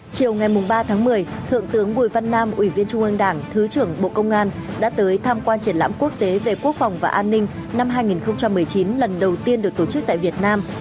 chiều ngày ba tháng một mươi thượng tướng bùi văn nam ủy viên trung ương đảng thứ trưởng bộ công an đã tới tham quan triển lãm quốc tế về quốc phòng và an ninh năm hai nghìn một mươi chín lần đầu tiên được tổ chức tại việt nam